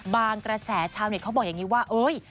กระแสชาวเน็ตเขาบอกอย่างนี้ว่าเอ้ย